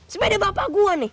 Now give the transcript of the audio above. sepeda bapak gua nih